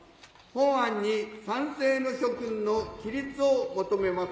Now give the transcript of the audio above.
本案に賛成の諸君の起立を求めます。